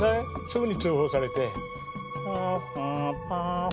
すぐに通報されて。